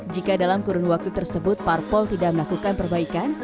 jika dalam kurun waktu tersebut parpol tidak melakukan perbaikan